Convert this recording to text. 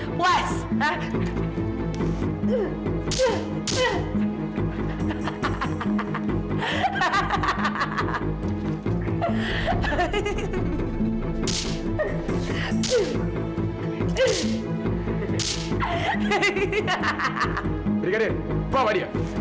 sampai jumpa di video selanjutnya